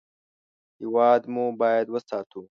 هېواد مو باید وساتو